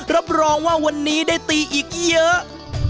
รับรองว่าวันนี้ได้ตีอีกเยอะ